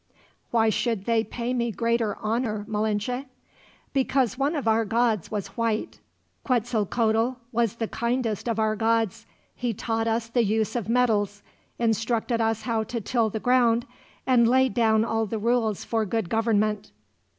"Why should they pay me greater honor, Malinche?" "Because one of our gods was white. Quetzalcoatl was the kindest of our gods. He taught us the use of metals, instructed us how to till the ground, and laid down all the rules for good government.